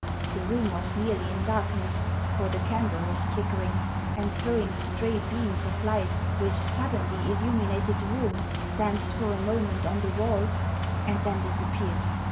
The room was nearly in darkness, for the candle was flickering, and throwing stray beams of light which suddenly illuminated the room, danced for a moment on the walls, and then disappeared.